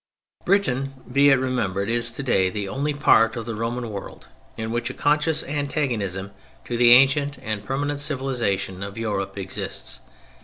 Britain, be it remembered, is today the only part of the Roman world in which a conscious antagonism to the ancient and permanent civilization of Europe exists.